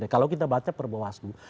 kalau kita baca perbawah seluruh